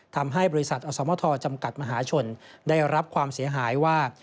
ทำให้บริษัทอสมทจำกัดมหาชนได้รับความเสียหายว่า